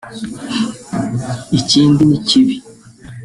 ikindi ni kibi